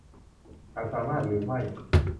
ฉันสามารถหรือไม่ ?